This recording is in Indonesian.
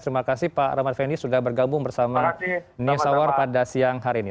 terima kasih pak rahmat fendi sudah bergabung bersama news hour pada siang hari ini